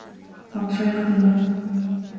Táim traochta inniu.